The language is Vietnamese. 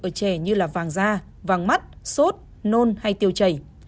ở trẻ như là vàng da vàng mắt sốt nôn hay tiêu chảy